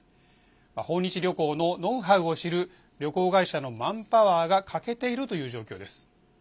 訪日旅行のノウハウを知る旅行会社のマンパワーが欠けているという状況です。